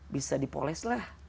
bisa dipoles lah